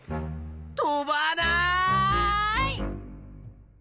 飛ばない！